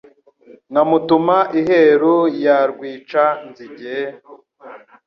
Nkamutuma iheru ya Rwica-nzige,